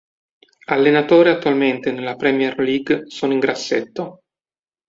Allenatori attualmente nella Premier League sono in grassetto.